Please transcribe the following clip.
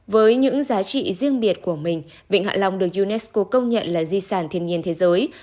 với những giá trị riêng biệt của mình vịnh hạ long được unesco công nhận là di sản thiên nhiên thế giới